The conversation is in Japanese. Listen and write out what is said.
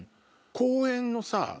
公園のさ